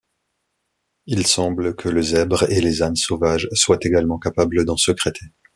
Il semble que le zèbre et les ânes sauvages soient également capables d'en sécréter.